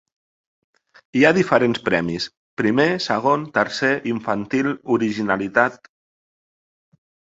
Hi ha diferents premis: primer, segon, tercer, infantil, originalitat.